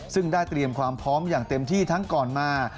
ซึ่งได้เตรียมความพร้อมอย่างเต็มที่ทั้งก่อนมา